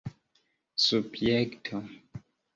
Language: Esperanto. subjekto